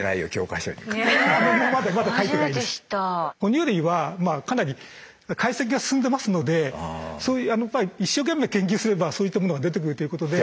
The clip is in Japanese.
哺乳類はまあかなり解析が進んでますので一生懸命研究すればそういったものが出てくるということで。